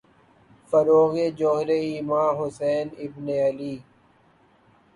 فروغِ جوہرِ ایماں، حسین ابنِ علی